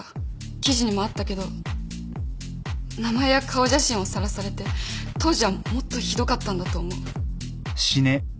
記事にもあったけど名前や顔写真をさらされて当時はもっとひどかったんだと思う。